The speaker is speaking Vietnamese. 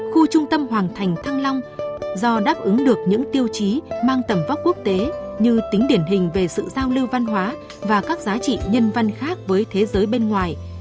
khu trung tâm hoàng thành thăng long do đáp ứng được những tiêu chí mang tầm vóc quốc tế như tính điển hình về sự giao lưu văn hóa và các giá trị nhân văn khác với thế giới bên ngoài